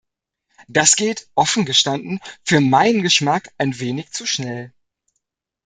Das geht, offen gestanden, für meinen Geschmack ein wenig zu schnell.